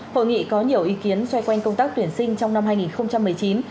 hội nghị có nhiều ý kiến xoay quanh công tác tuyển sinh trong năm hai nghìn một mươi chín